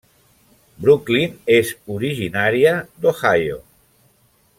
Brooklyn és originària d'Ohio.